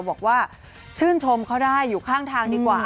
บอกว่าชื่นชมเขาได้อยู่ข้างทางดีกว่า